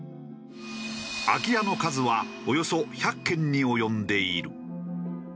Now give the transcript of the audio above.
空き家の数はおよそ１００軒に及んでいる。